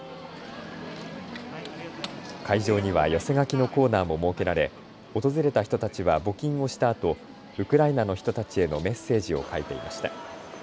会場には寄せ書きのコーナーも設けられ訪れた人たちは募金をしたあとウクライナの人たちへのメッセージを書いていました。